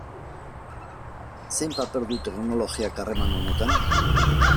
Zein paper du teknologiak harreman honetan?